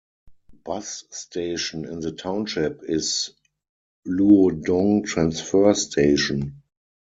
Bus station in the township is Luodong Transfer Station.